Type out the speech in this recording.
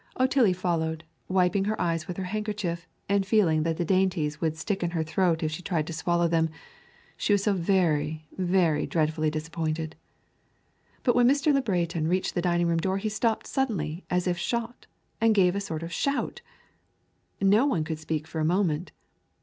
Otillie followed, wiping her eyes with her handkerchief, and feeling that the dainties would stick in her throat if she tried to swallow them, she was so very, very, dreadfully disappointed. But when Mr. Le Breton reached the dining room door he stopped suddenly as if shot, and gave a sort of shout! No one could speak for a moment.